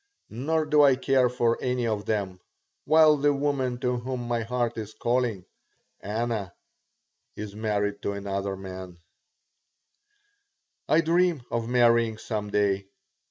Nor do I care for any of them, while the woman to whom my heart is calling Anna is married to another man I dream of marrying some day.